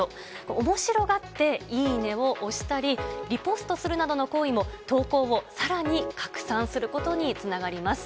おもしろがって、いいねを押したり、リポストするなどの行為も、投稿をさらに拡散することにつながります。